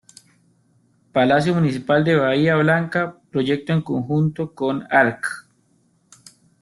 Palacio Municipal de Bahía Blanca, proyecto en conjunto con Arq.